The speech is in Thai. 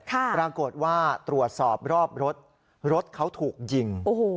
ปรากฏว่าตรวจสอบรอบรถรถเขาถูกยิง